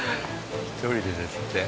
１人でですって。